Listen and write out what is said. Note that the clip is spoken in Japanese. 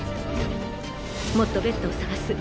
もっとベッドを探す。